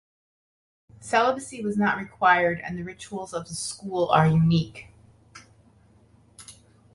Celibacy was not required and the rituals of the school are unique.